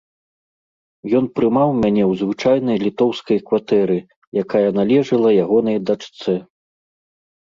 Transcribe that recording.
Ён прымаў мяне ў звычайнай літоўскай кватэры, якая належала ягонай дачцэ.